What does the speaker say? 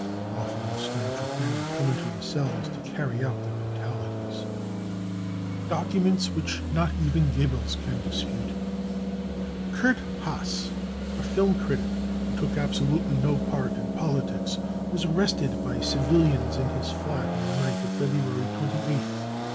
Often the storm troop men would come into the cells to carry out their brutalities." 226 BROWN BOOK OF THE HITLER TERROR Documents which not even Goebbels can Dispute. Kurt Haas, a film critic who took absolutely no part in politics, was arrested by civilians in his flat on the night of February 28th.